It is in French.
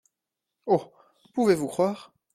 Oh ! pouvez-vous croire…